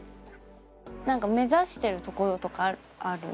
なんか目指してるところとかあるの？